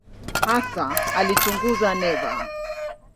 Hasa alichunguza neva.